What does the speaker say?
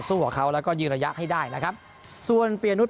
กับเขาแล้วก็ยืนระยะให้ได้นะครับส่วนเปียนุษ